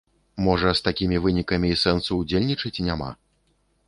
Можа, з такімі вынікамі і сэнсу ўдзельнічаць няма?